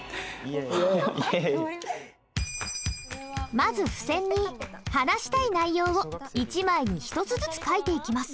まず付箋に話したい内容を１枚に１つずつ書いていきます。